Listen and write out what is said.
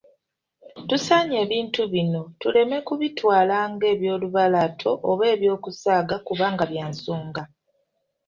Tusaanye ebintu bino tuleme kubitwala ng'ebyolubalaato oba eby'okusaaga kubanga bya nsonga.